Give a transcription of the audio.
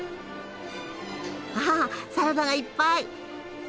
あサラダがいっぱい！